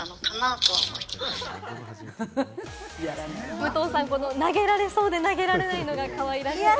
武藤さん、この投げられそうで投げられないのが、かわいらしいですね。